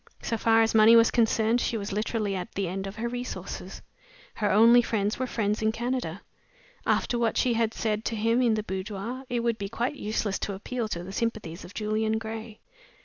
So far as money was concerned, she was literally at the end of her resources. Her only friends were friends in Canada. After what she had said to him in the boudoir, it would be quite useless to appeal to the sympathies of Julian Gray.